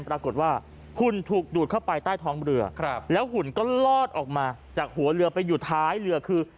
ปรากฏว่าหุ่นถูกดูดเข้าไปใต้ท้องเรือแล้วหุ่นก็ลอดออกมาจากหัวเรือไปอยู่ท้ายเรือคือ